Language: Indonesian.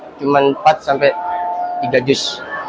paling banyak cuma empat sampai tiga juz